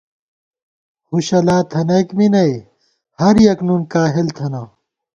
ہُݭہ لا تھنَئیک می نئ ، ہریَک نُن کاہل تھنہ